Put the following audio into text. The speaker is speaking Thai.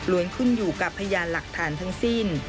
ขึ้นอยู่กับพยานหลักฐานทั้งสิ้น